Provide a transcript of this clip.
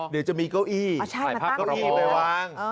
เดี๋ยวจะมีเก้าอี้ไปพักเก้าอี้ไปวาง